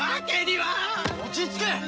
落ち着け！